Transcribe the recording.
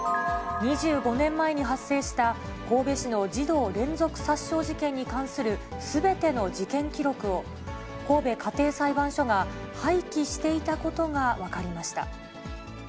２５年前に発生した神戸市の児童連続殺傷事件に関するすべての事件記録を、神戸家庭裁判所が廃棄していたことが分かりました。